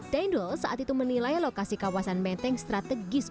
danul saat itu menilai lokasi kawasan menteng strategis